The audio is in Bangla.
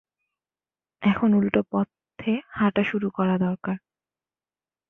এখন উল্টো পথে হাঁটা শুরু করা দরকার।